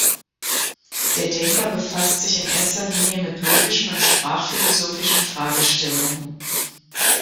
Der Denker befasst sich in erster Linie mit logischen und sprachphilosophischen Fragestellungen.